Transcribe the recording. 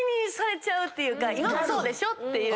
今もそうでしょっていう。